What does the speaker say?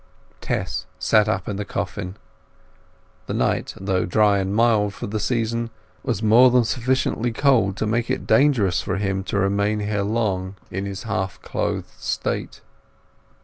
Tess sat up in the coffin. The night, though dry and mild for the season, was more than sufficiently cold to make it dangerous for him to remain here long, in his half clothed state.